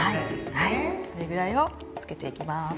はいこれくらいをつけていきます。